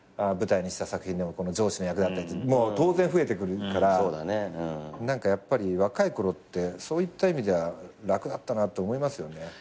舞台にした作品でも上司の役だったり当然増えてくるからやっぱり若いころってそういった意味では楽だったなって思いますよね。